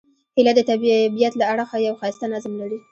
هیلۍ د طبیعت له اړخه یو ښایسته نظم لري